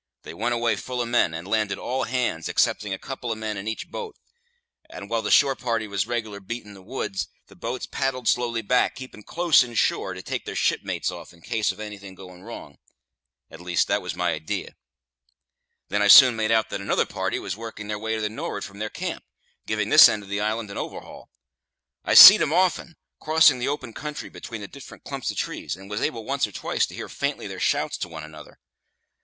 They went away full o' men, and landed all hands, excepting a couple of men in each boat; and while the shore party was reg'lar beating the woods, the boats paddled slowly back, keepin' close in shore, to take their shipmates off in case of anything going wrong at least, that was my idee. Then I soon made out that another party was working their way to the nor'ard from their camp, giving this eend of the island a overhaul. I see'd 'em often, crossing the open country between the different clumps of trees, and was able once or twice to hear faintly their shouts to one another.